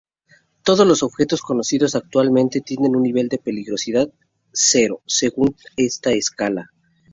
Todos los objetos conocidos actualmente tienen un nivel de peligrosidad cero según esta escala.